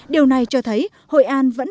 điều này cho thấy hội an vẫn tấp nập du khách